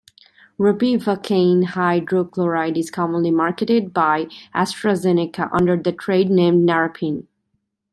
Ropivacaine hydrochloride is commonly marketed by AstraZeneca under the trade name Naropin.